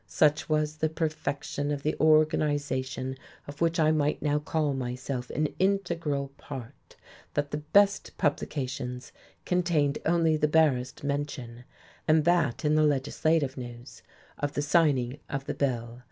Such was the perfection of the organization of which I might now call myself an integral part that the "best" publications contained only the barest mention, and that in the legislative news, of the signing of the bill.